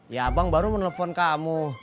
ya abang baru menelpon kamu